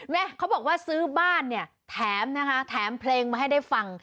เขาบอกว่าซื้อบ้านเนี่ยแถมนะคะแถมเพลงมาให้ได้ฟัง